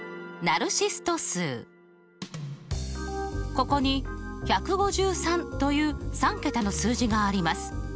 ここに１５３という３桁の数字があります。